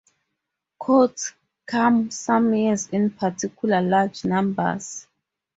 Coots come some years in particularly large numbers.